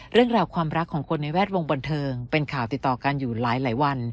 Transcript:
เรื่องราวความรักของคนในแวดวงบันเทิงเป็นข่าวติดต่อกันอยู่หลายวัน